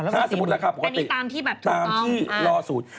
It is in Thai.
ถ้าสมมุติละครับตามที่รอสูตร